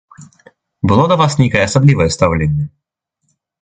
Было да вас нейкае асаблівае стаўленне?